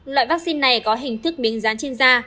loại vaccine này có hình thức miếng dán trên da